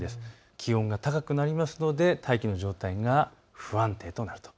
気温が高くなりますので大気の状態が不安定となると。